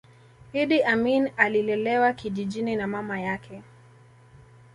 iddi amin alilelewa kijijini na mama yake